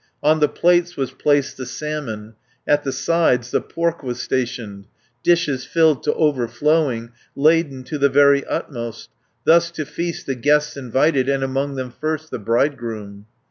On the plates was placed the salmon, At the sides the pork was stationed, Dishes filled to overflowing, Laden to the very utmost, Thus to feast the guests invited; And among them first the bridegroom.